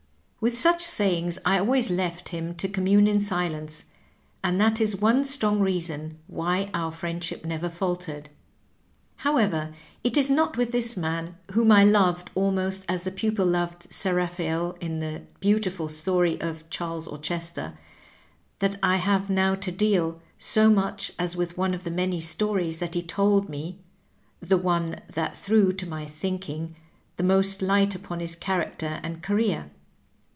With such sayings I always left him to commune in silence, and that is one strong reason why our friendship never faltered. However, it is not with this man, whom I loved ^ almost as the pupil loved Seraphael in the beautiful story of " Charles Auchester," that I have now to deal, so much as with one of the many stories that he told me — ^the one that threw, to my thinking, the most light upon his character and career.